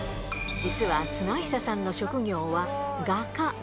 実は綱久さんの職業は画家。